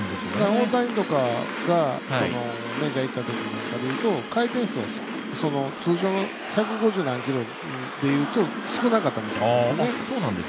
大谷とかがメジャーに行った時なんかでいうと回転数は通常の１５０何キロでいうと少なかったみたいなんですよね。